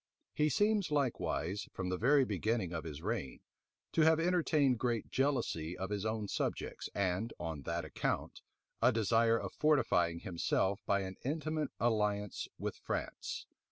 He seems, likewise, from the very beginning of his reign, to have entertained great jealousy of his own subjects, and, on that account, a desire of fortifying himself by an intimate alliance with France.